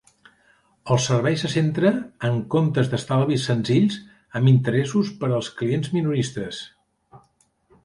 El servei se centra en comptes d'estalvi senzills amb interessos per als clients minoristes.